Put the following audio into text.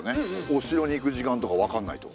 お城に行く時間とか分かんないと。